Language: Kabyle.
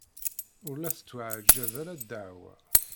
Ur la tettweɛjab ara ddeɛwa.